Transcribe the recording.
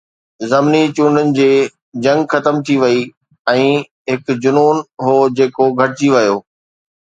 ضمني چونڊن جي جنگ ختم ٿي وئي ۽ هڪ جنون هو جيڪو گهٽجي ويو.